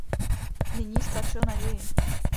Nyní spatřil naději.